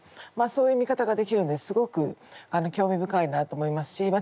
そういう見方ができるんですごく興味深いなあと思いますしま